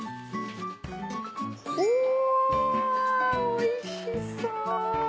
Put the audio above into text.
おいしそう。